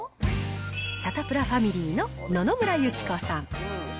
サタプラファミリーの野々村友紀子さん。